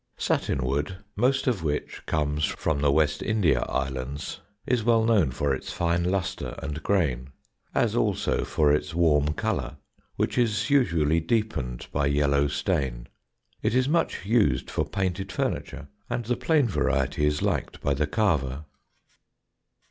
Satin wood, most of which comes from the West India islands, is well known for its fine lustre and grain, as also for its warm colour, which is usually deepened by yellow stain. It is much used for painted furniture, and the plain variety is liked by the carver.